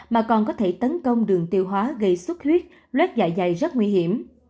mà còn có thể tấn công đường tiêu hóa gây xuất huyết lét dạ dày rất nguy hiểm